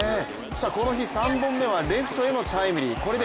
この日３本目はレフトへのタイムリー。